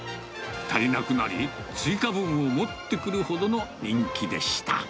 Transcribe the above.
足りなくなり、追加分を持ってくるほどの人気でした。